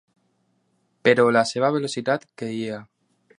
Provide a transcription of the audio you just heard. Però la seva velocitat queia.